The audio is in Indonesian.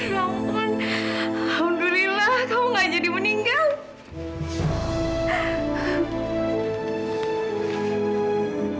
ya ampun alhamdulillah kamu gak jadi meninggal